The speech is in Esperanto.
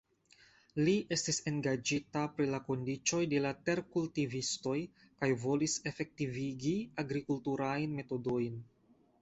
Li estis engaĝita pri la kondiĉoj de la terkultivistoj kaj volis efektivigi agrikulturajn metodojn.